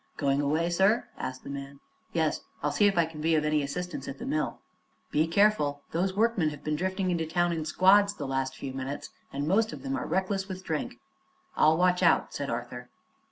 "Going away, sir?" asked the man. "Yes; I'll see if I can be of any assistance at the mill." "Be careful. Those workmen have been drifting into town in squads, the last few minutes, and most of them are reckless with drink." "I'll watch out," said Arthur.